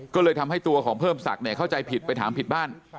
ก็เลยทำให้ตัวของเพิ่มศักดิ์เข้าใจผิดไปถามผิดบ้าน